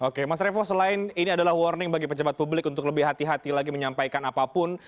oke mas revo selain ini adalah warning bagi pejabat publik untuk lebih hati hati lagi menyampaikan apapun